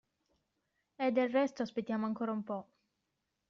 E del resto aspettiamo ancora un po'.